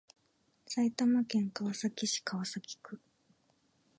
埼玉県川崎市川崎区